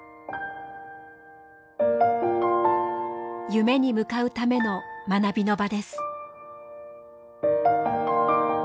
夢に向かうための学びの場です。